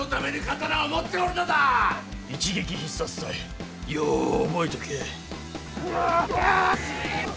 一撃必殺隊よう覚えとけ。